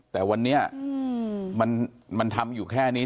แต่วันนี้มันทำอยู่แค่นี้